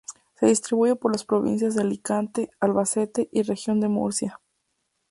Se distribuye por las provincias de Alicante, Albacete y Región de Murcia.